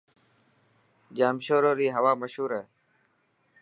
ڄامشوري ري هوا مشهور هي.